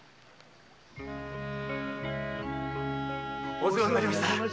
お世話になりました。